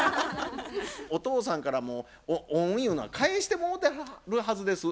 お父さんからもう恩ゆうのは返してもうてはるはずです。